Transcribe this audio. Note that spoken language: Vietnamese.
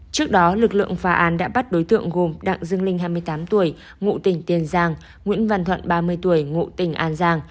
trước đó lực lượng phá án đã bắt đối tượng gồm đặng dương linh hai mươi tám tuổi ngụ tỉnh tiền giang nguyễn văn thuận ba mươi tuổi ngụ tỉnh an giang